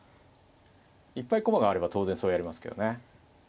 いっぱい駒があれば当然そうやりますけどね。